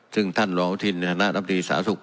ซึ่งท่านหลอุธินรวมทางของคณะรับทีสาธารสุทธิ์